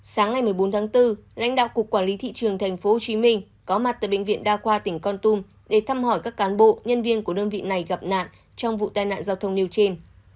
sáng ngày một mươi bốn tháng bốn lãnh đạo cục quản lý thị trường tp hcm có mặt tại bệnh viện đa khoa tỉnh con tum để thăm hỏi các cán bộ nhân viên của đơn vị này gặp nạn trong vụ tai nạn giao thông nêu trên